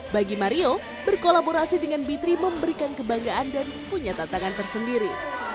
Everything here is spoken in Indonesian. bagi mario berkolaborasi dengan b tiga memberikan kebanggaan dan punya tantangan tersendiri